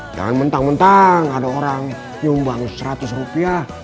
jangan mentang mentang ada orang nyumbang seratus rupiah